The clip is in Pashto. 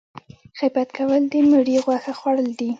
غیبت کول د مړي غوښه خوړل دي